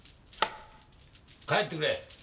帰ってくれ。